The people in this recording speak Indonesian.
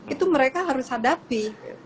itu mereka harus hadapi